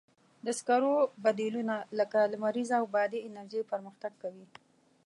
د سکرو بدیلونه لکه لمریزه او بادي انرژي پرمختګ کوي.